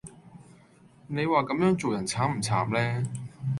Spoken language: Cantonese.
你話咁樣做人慘唔慘呢